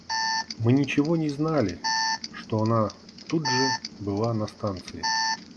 Мы ничего не знали, что она тут же была на станции.